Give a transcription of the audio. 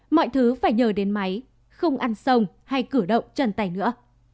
mọi thứ phải nhờ đến máy không ăn sông hay cử động chân tay nữa